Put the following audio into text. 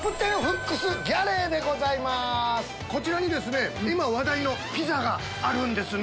こちらに今話題のピザがあるんですね。